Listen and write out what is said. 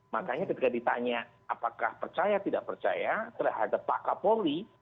makanya ketika ditanya apakah percaya tidak percaya terhadap pak kapolri